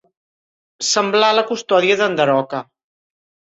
Semblar la custòdia d'en Daroca.